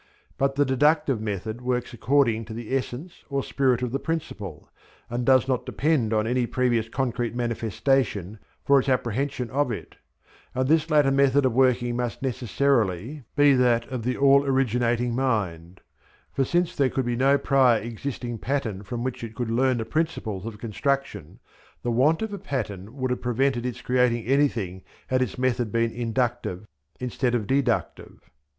But the deductive method works according to the essence or spirit of the principle, and does not depend on any previous concrete manifestation for its apprehension of it; and this latter method of working must necessarily be that of the all originating Mind, for since there could be no prior existing pattern from which it could learn the principles of construction, the want of a pattern would have prevented its creating anything had its method been inductive instead of deductive.